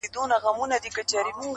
د گلونو پر ښاخونو مرغکۍ دی چی زنگېږی -